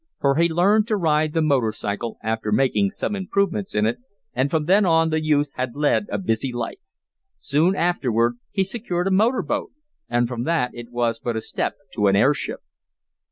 For he learned to ride the motor cycle, after making some improvements in it, and from then on the youth had led a busy life. Soon afterward he secured a motor boat and from that it was but a step to an airship.